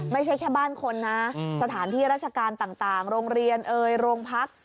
ไม่ใช่แค่บ้านคนนะสถานที่ราชการต่างโรงเรียนเอ่ยโรงพัก